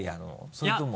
それとも。